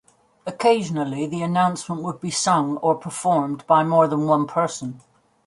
Occasionally the announcement would be sung, or performed by more than one person.